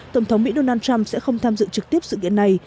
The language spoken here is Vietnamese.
tổng thống mỹ donald trump sẽ không tham dự trực tiếp sự kiện này